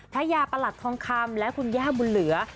พระยาประหลัดทองคำและคุณย่าบุญเหลือ